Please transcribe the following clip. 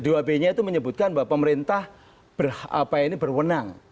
dan dua b nya itu menyebutkan bahwa pemerintah berwenang